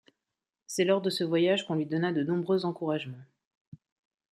C'est lors de ce voyage qu'on lui donna de nombreux encouragements.